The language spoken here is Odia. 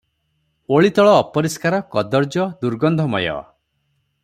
ଓଳିତଳ ଅପରିଷ୍କାର, କଦର୍ଯ୍ୟ, ଦୁର୍ଗନ୍ଧମୟ ।